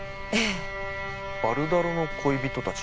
ヴァルダロの恋人たち？